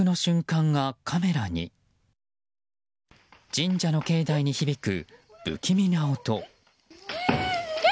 神社の境内に響く不気味な音。